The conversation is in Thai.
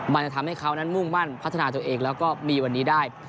มันจะทำให้เขานั้นมุ่งมั่นพัฒนาตัวเองแล้วก็มีวันนี้ได้